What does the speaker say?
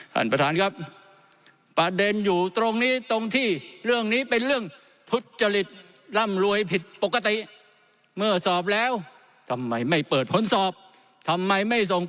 ท่านประธานครับประเด็นอยู่ตรงนี้ตรงที่เรื่องนี้เป็นเรื่องทุจริตร่ำรวยผิดปกติ